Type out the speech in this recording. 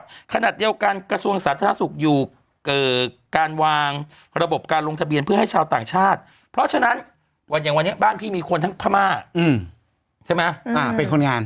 ถามว่าขนาดเดียวกันกระทรวงศาสตร์ธนาศุกร์อยู่การวางระบบการลงทะเบียนเพื่อให้ชาวต่างชาติเพราะฉะนั้นอย่างวันนี้บ้านพี่มีคนทั้งพม่าใช่ไหม